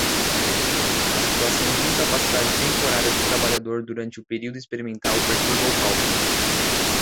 A situação de incapacidade temporária do trabalhador durante o período experimental perturba o cálculo.